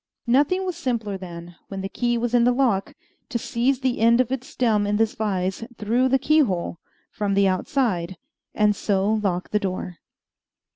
Nothing was simpler than, when the key was in the lock, to seize the end of its stem in this vise, through the keyhole, from the outside, and so lock the door.